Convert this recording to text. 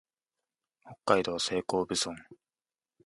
北海道西興部村